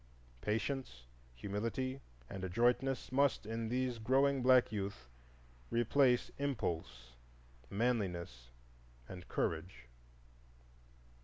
Patience, humility, and adroitness must, in these growing black youth, replace impulse, manliness, and courage.